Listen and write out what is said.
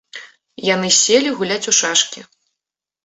Яны селі гуляць у шашкі.